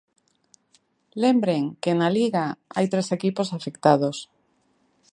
Lembren que na Liga hai tres equipos afectados.